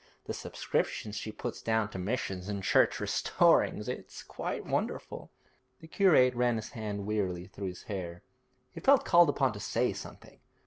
The subscriptions she puts down to missions and church restorings it's quite wonderful.' The curate ran his hand wearily through his hair. He felt called upon to say something.